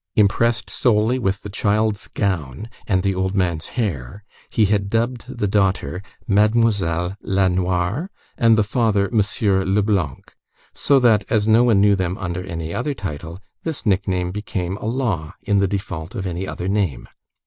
Impressed solely with the child's gown and the old man's hair, he had dubbed the daughter Mademoiselle Lanoire, and the father, Monsieur Leblanc, so that as no one knew them under any other title, this nickname became a law in the default of any other name.